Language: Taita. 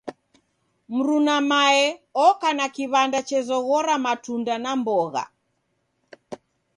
Mruna mae oka na kiw'anda chezoghora matunda na mbogha.